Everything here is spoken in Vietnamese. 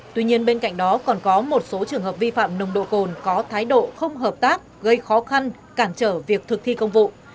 tuy nhiên bên cạnh đó còn có một số trường hợp vi phạm nồng độ cồn có thái độ không hợp tác gây khó khăn cản trở việc thực thi công vụ